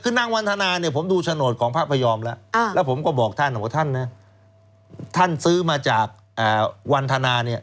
คือนางวันทนาผมดูโฉนดของพระพยอมแล้วแล้วผมก็บอกท่านว่าท่านซื้อมาจากวันทนา